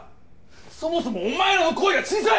そもそもお前らの声が小さい！